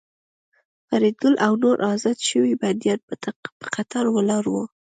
فریدګل او نور ازاد شوي بندیان په قطار ولاړ وو